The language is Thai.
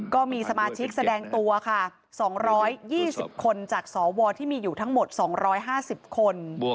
ก็มีสมาชิกแสดงตัวค่ะ๒๒๐คนจากสวที่มีอยู่ทั้งหมด๒๕๐คน